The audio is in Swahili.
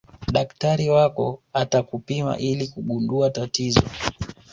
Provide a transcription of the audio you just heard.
daktari wako atakupima ili kugundua tatizo